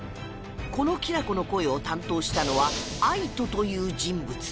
このきなこの声を担当したのは ＡＩＴＯ という人物